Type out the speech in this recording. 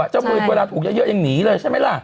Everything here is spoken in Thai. เจ้ามือเวลาถูกเยอะยังหนีเลยใช่ไหมล่ะ